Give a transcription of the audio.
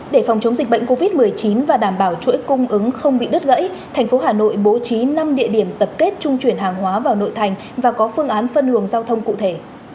để phòng chống dịch bệnh covid một mươi chín và đảm bảo chuỗi cung ứng không bị đứt gãy thành phố hà nội bố trí năm địa điểm tập kết trung chuyển hàng hóa vào nội thành và có phương án phân luồng giao thông cụ thể